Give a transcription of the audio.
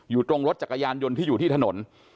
อยู่ตรงรถจักรยานยนต์ที่อยู่ที่ถนน